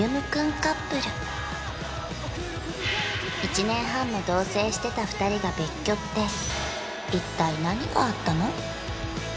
カップル１年半も同棲してた２人が別居って一体何があったの？